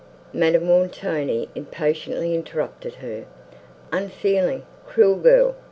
Madame Montoni impatiently interrupted her. "Unfeeling, cruel girl!"